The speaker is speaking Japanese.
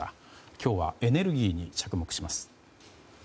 今日はエネルギーに着目します。